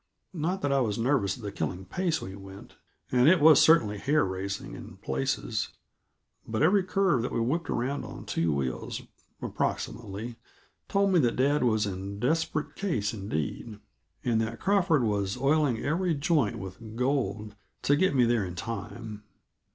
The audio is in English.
Not that I was nervous at the killing pace we went and it was certainly hair raising, in places; but every curve that we whipped around on two wheels approximately told me that dad was in desperate case indeed, and that Crawford was oiling every joint with gold to get me there in time.